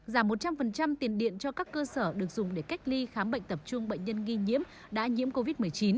giảm một trăm linh tiền điện cho các cơ sở được dùng để cách ly khám bệnh tập trung bệnh nhân nghi nhiễm đã nhiễm covid một mươi chín